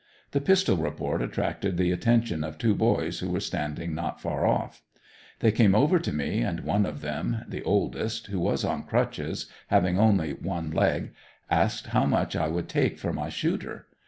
The pistol report attracted the attention of two boys who were standing not far off. They came over to me, and one of them, the oldest, who was on crutches, having only one leg, asked how much I would take for my "shooter?"